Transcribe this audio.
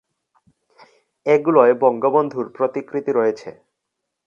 এগুলোয় বঙ্গবন্ধুর প্রতিকৃতি রয়েছে।